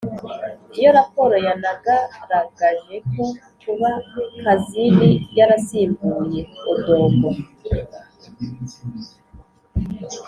iyo raporo yanagaragaje ko “kuba kazini yarasimbuye odongo